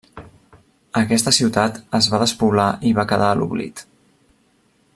Aquesta ciutat es va despoblar i va quedar a l'oblit.